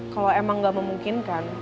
kalo emang gak memungkinkan